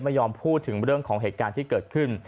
ไม่ยอมพูดถึงเรื่องของเหตุการณ์ที่เกิดขึ้น